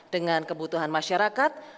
dengan kebutuhan masyarakat